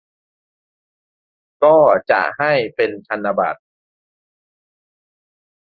ก็จะให้เป็นธนบัตร